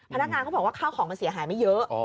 พนักงานเขาบอกว่าข้าวของมันเสียหายไม่เยอะ